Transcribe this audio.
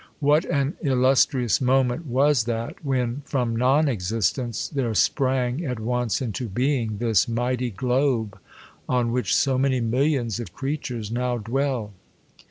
What an illustrious moment was that, when, from non existence, there sprang at once into being this mighty globe, on which so many millions of creatures now dwell